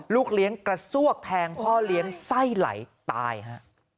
ลูกเลี้ยงกระซวกแทงพ่อเลี้ยงไส้ไหลตายฮะ